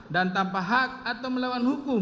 dan tanpa hak atau melawan hukum